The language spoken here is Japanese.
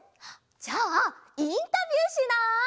じゃあインタビューしない？